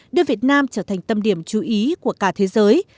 đưa việt nam trở thành tâm điểm chú ý của cả thế giới